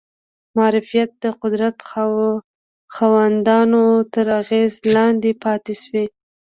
معرفت د قدرت خاوندانو تر اغېزې لاندې پاتې شوی